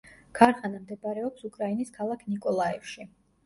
ქარხანა მდებარეობს უკრაინის ქალაქ ნიკოლაევში.